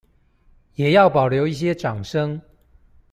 也要保留一些掌聲